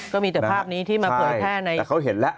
ก็มีแต่ภาพนี้ที่มาเผลอแพร่ในโซเชียล